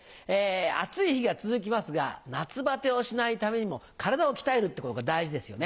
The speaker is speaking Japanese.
暑い日が続きますが夏バテをしないためにも体を鍛えるってことが大事ですよね。